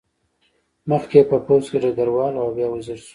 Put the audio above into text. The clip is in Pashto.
مخکې یې په پوځ کې ډګروال و او بیا وزیر شو.